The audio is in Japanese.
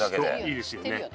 いいですよね。